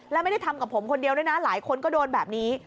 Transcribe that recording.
และไม่ได้ทำกับผมคนเดียวด้วยนะหลายคนก็โดนแบบนี้